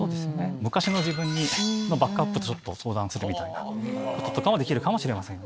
昔の自分にのバックアップとちょっと相談するみたいなこととかはできるかもしれませんよね。